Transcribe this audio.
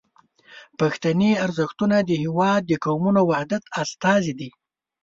پښتني ارزښتونه د هیواد د قومونو وحدت استازي دي.